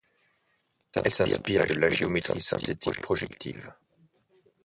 Elle s'inspire de la géométrie synthétique projective.